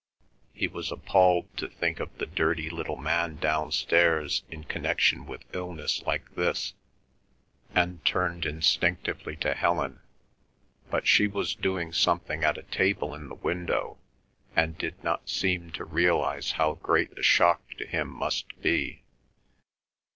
He was appalled to think of the dirty little man downstairs in connection with illness like this, and turned instinctively to Helen, but she was doing something at a table in the window, and did not seem to realise how great the shock to him must be.